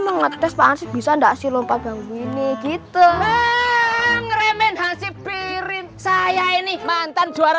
mengetes pak bisa ndak sih lompat bangun ini gitu remen hansi pirip saya ini mantan juara